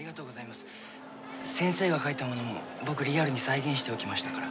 先生が描いたものを僕、リアルに再現しておきましたから。